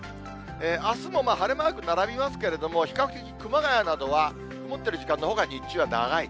あすも晴れマーク並びますけれども、比較的、熊谷などはもってる時間のほうが日中は長い。